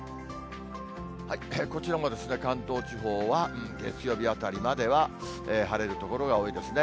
こちらも関東地方は、月曜日あたりまでは晴れる所が多いですね。